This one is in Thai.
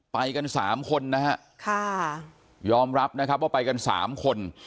ไปกันสามคนนะฮะค่ะยอมรับนะครับว่าไปกันสามคน